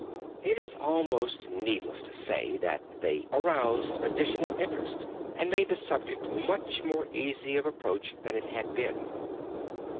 It is almost needless to say that they aroused additional interest and made the subject much more easy of approach than it had been.